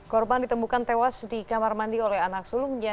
korban ditemukan tewas di kamar mandi oleh anak sulungnya